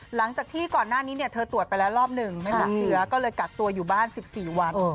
หลังจากที่ก่อนหน้านี้เธอตรวจไปแล้วรอบหนึ่งไม่พบเชื้อก็เลยกักตัวอยู่บ้าน๑๔วัน